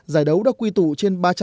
giải đấu đã quy tụ trên ba trăm linh